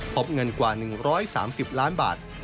พบเงินกว่า๑๓๐ล้านบาท